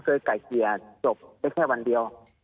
ก็เคยไก่เกลียร์จบได้แค่วันเดียว